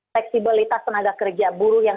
fleksibilitas tenaga kerja buruh yang